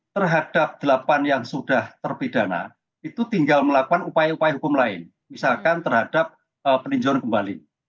terhadap delapan yang sudah terpidana itu tinggal melakukan upaya upaya hukum lain misalkan terhadap peninjauan kembali